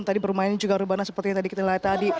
tadi bermain juga rubana seperti yang kita lihat tadi